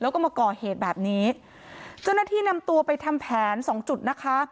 แล้วก็มาก่อเหตุแบบนี้เจ้าหน้าที่นำตัวไปทำแผนสองจุดนะคะ